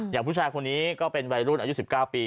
อย่างผู้ชายคนนี้ก็เป็นวัยรุ่นอายุ๑๙ปี